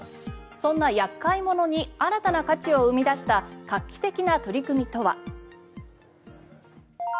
そんな厄介者に新たな価値を生み出した画期的な取り組みとは。